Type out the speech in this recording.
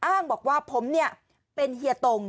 อ้างบอกว่าผมเป็นเฮียตง